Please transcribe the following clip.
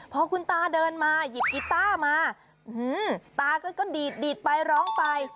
พอคุณตาเดินมาหยิบกีต้ามาตาก็ดีดดีดไปร้องไป